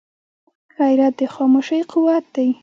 غیرت د خاموشۍ قوت دی